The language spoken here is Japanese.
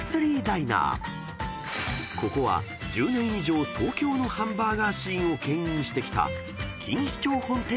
［ここは１０年以上東京のハンバーガーシーンをけん引してきた］